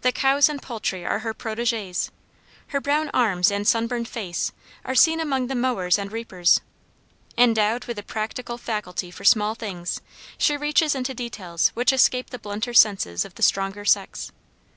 The cows and poultry are her protégés. Her brown arms and sunburned face are seen among the mowers and reapers. Endowed with the practical faculty for small things, she reaches into details which escape the blunter senses of the stronger sex.